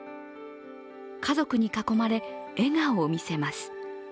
家族に囲まれ笑顔を見せます。